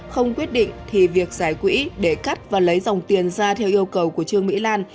không quyết định thì việc giải quỹ để cắt và lấy dòng tiền ra theo yêu cầu của trương mỹ lan